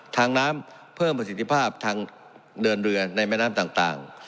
ทางน้ำเพิ่มประสิทธิภาพทางเดินเรือในแม่น้ำต่าง